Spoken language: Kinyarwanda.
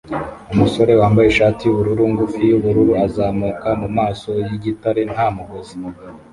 Umusore wambaye ishati yubururu ngufi yubururu azamuka mumaso yigitare nta mugozi